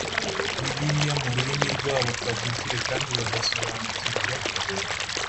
Bibiliya mu rurimi rwabo kavukire kandi bagasobanukirwa